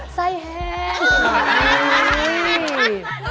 ไส้แห้งโอ้โฮ